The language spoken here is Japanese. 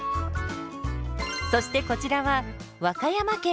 そしてこちらは和歌山県。